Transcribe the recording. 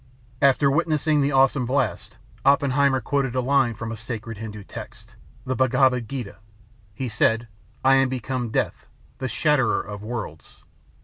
After witnessing the awesome blast, Oppenheimer quoted a line from a sacred Hindu text, the Bhagavad Gita: He said: "I am become death, the shatterer of worlds."